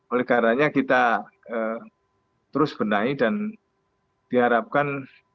oleh karena kita terus benahi dan diharapkan